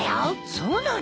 そうなの？